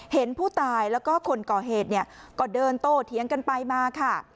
เห็นผู้ตายแล้วก็คนก่อเหตุเนี่ยก็เดินโตเถียงกันไปมาค่ะ